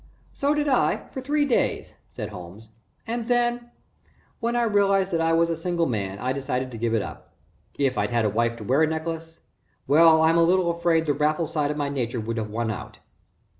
"So did I for three days," said Holmes, "and then, when I realized that I was a single man, I decided to give it up. If I'd had a wife to wear a necklace well, I'm a little afraid the Raffles side of my nature would have won out."